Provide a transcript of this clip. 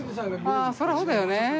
ああそりゃそうだよね。